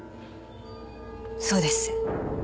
そうです。